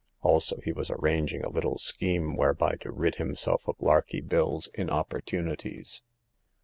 Also, he was arranging a little scheme whereby to rid himself of Larky Bill's inopportunities.